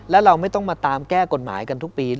แล้วเราไม่ต้องมาตามแก้กฎหมายกันทุกปี